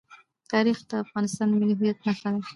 تاریخ د افغانستان د ملي هویت نښه ده.